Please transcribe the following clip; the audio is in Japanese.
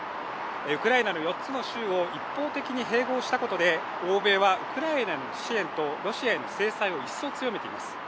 ウクライナの４つの州を一方的に併合したことで欧米はウクライナへの支援とロシアへの制裁をいっそう強めています。